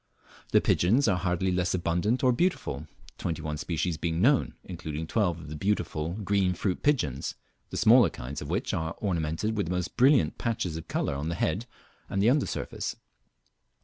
The pigeons are hardly less abundant or beautiful, twenty one species being known, including twelve of the beautiful green fruit pigeons, the smaller kinds of which are ornamented with the most brilliant patches of colour on the head and the under surface.